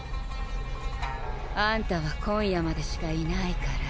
あんたは今夜までしかいないから。